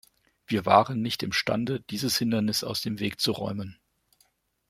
Wir waren nicht imstande, dieses Hindernis aus dem Weg zu räumen.